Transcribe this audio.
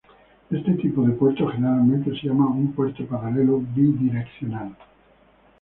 Este tipo de puerto generalmente se llama un puerto paralelo "bidireccional".